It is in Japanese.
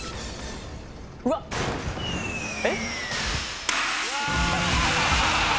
うわっ！えっ？